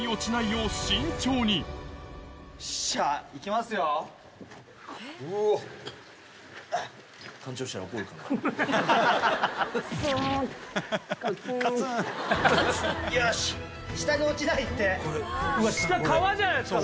うわ下川じゃないですか